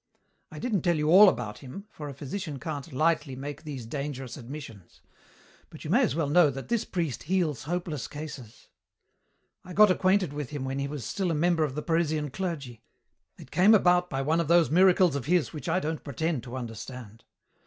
I didn't tell you all about him, for a physician can't lightly make these dangerous admissions. But you may as well know that this priest heals hopeless cases. "I got acquainted with him when he was still a member of the Parisian clergy. It came about by one of those miracles of his which I don't pretend to understand.